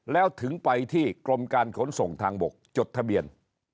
แล้วถึงไปที่กรมการขนส่งทางบกจดทะเบียน